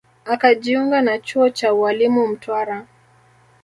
Akajiunga na chuo cha ualimu Mtwara